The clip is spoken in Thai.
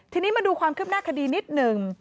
ทีนี้มาดูความคืบหน้าคดีนิดหนึ่ง